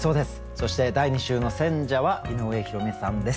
そして第２週の選者は井上弘美さんです。